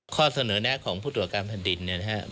ข้อเสนอแนะของผู้ตรวจการแผ่นดินเนี่ยนะครับ